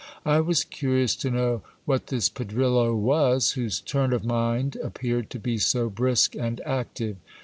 I was curious to know what this Pedrillo was, whose turn of mind appeared to be so brisk and active.